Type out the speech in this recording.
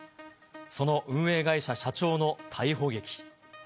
その運営会社社長の逮捕劇。